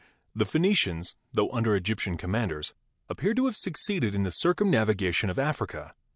the Phenicians, tho under Egyptian commanders, appear to have succeeded in the circumnavigation of Africa.